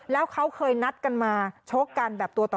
แล้วเขาเคยนัดกันมาชกกันแบบตัวต่อ